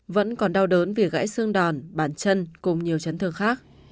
vẫn còn đau đớn vì gãy xương đòn bản chân cùng nhiều chấn thương khác